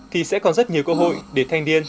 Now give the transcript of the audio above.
thì sẽ còn rất nhiều cơ hội để thanh niên